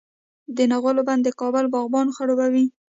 د نغلو بند د کابل باغونه خړوبوي.